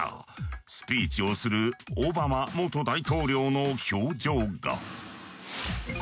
スピーチをするオバマ元大統領の表情が。